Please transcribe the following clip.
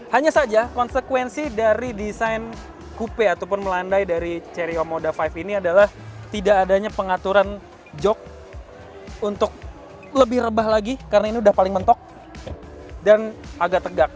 hanya saja konsekuensi dari desain coope ataupun melandai dari cerio moda lima ini adalah tidak adanya pengaturan jog untuk lebih rebah lagi karena ini udah paling mentok dan agak tegak